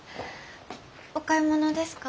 お買い物ですか？